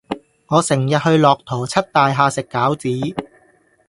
我成日去駱駝漆大廈食餃子